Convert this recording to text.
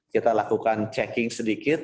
kita lakukan checking sedikit